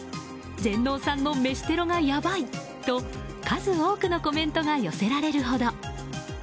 全農さんの飯テロがやばい！と数多くのコメントが寄せられるほど。